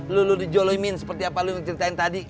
lo lo dijolimin seperti apa lo yang ceritain tadi